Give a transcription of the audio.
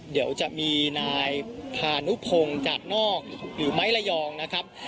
เดี๋ยวจะมีนายพานุพงศ์จากนอกหรือไม้ระยองนะครับ